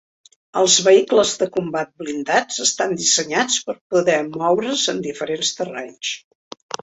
Els vehicles de combat blindats estan dissenyats per poder moure's en diferents terrenys.